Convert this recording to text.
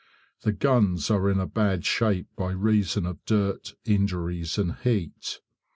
The guns are in bad shape by reason of dirt, injuries, and heat.